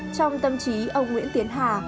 trong tâm trí ông nguyễn tiến hà